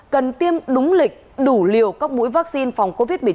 cần tiêm đúng lịch đủ liều các mũi vaccine phòng covid một mươi chín